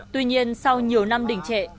tuy nhiên sau nhiều năm đình trệ